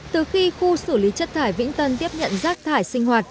từ khi khu xử lý chất thải vĩnh tân tiếp nhận rác thải sinh hoạt